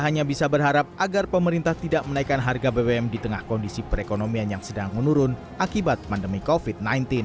hanya bisa berharap agar pemerintah tidak menaikkan harga bbm di tengah kondisi perekonomian yang sedang menurun akibat pandemi covid sembilan belas